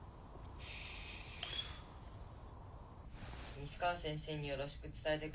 ・西川先生によろしく伝えてください。